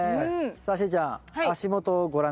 さあしーちゃん足元をご覧下さい。